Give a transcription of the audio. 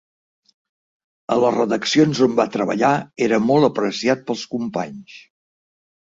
A les redaccions on va treballar era molt apreciat pels companys.